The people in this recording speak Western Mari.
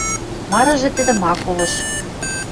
Марыжы тӹдӹм ак колышт.